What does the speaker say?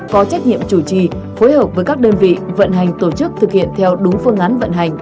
có trách nhiệm chủ trì phối hợp với các đơn vị vận hành tổ chức thực hiện theo đúng phương án vận hành